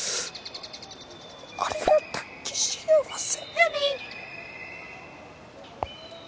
「ありがたき幸せ」。